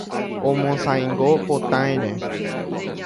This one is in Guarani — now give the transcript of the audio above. Omosãingo potãire.